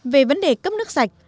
về vấn đề cấp nước sạch